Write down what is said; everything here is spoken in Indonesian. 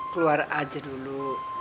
keluar aja dulu